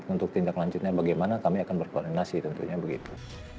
untuk tindak lanjutnya bagaimana kami akan berkoordinasi tentunya begitu